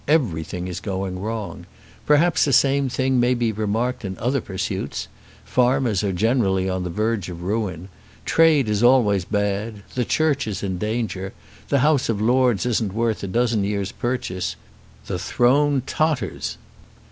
Everything is going wrong. Perhaps the same thing may be remarked in other pursuits. Farmers are generally on the verge of ruin. Trade is always bad. The Church is in danger. The House of Lords isn't worth a dozen years' purchase. The throne totters.